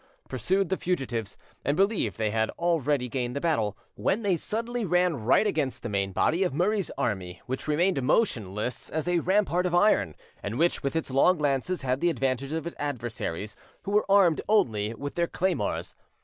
pursued the fugitives, and believed they had already gained the battle, when they suddenly ran right against the main body of Murray's army, which remained motionless as a rampart of iron, and which, with its long lances, had the advantage of its adversaries, who were armed only with their claymores.